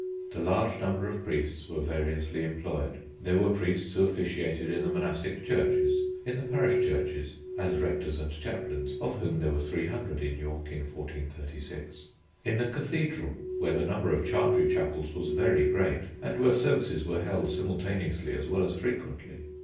The large number of priests were variously employed. There were priests who officiated in the monastic churches, in the parish churches (as rectors and chaplains, of whom there were 300 in York in 1436), in the cathedral where the number of chantry chapels was very great and where services were held simultaneously as well as frequently.